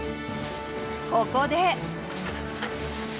ここで。